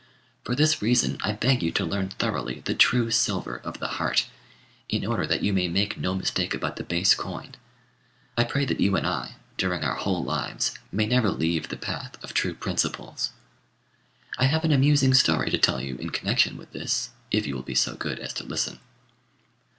For this reason, I beg you to learn thoroughly the true silver of the heart, in order that you may make no mistake about the base coin. I pray that you and I, during our whole lives, may never leave the path of true principles. I have an amusing story to tell you in connection with this, if you will be so good as to listen.